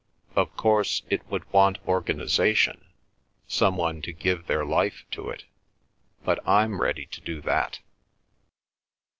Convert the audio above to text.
"Of course it would want organisation, some one to give their life to it, but I'm ready to do that.